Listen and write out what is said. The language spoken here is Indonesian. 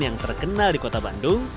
yang terkenal di kota bandung